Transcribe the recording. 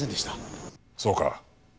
そうか。